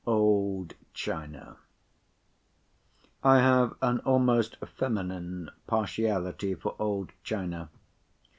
OLD CHINA I have an almost feminine partiality for old china.